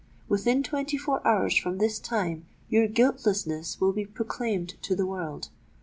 Within twenty four hours from this time your guiltlessness will be proclaimed to the world.